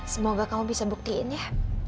semoga kamu bisa buktiin ya